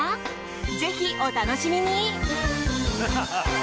ぜひ、お楽しみに。